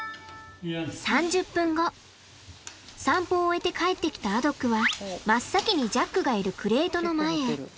散歩を終えて帰ってきたアドックは真っ先にジャックがいるクレートの前へ。